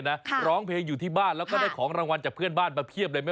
น้องไอซ์เล่นกิตต้าเก่งมากชอบเล่นแนวไหนคะ